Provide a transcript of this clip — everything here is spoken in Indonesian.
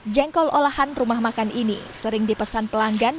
jengkol olahan rumah makan ini sering dipesan pelanggan